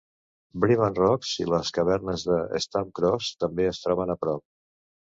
Brimham Rocks i les cavernes de Stump Cross també es troben a prop.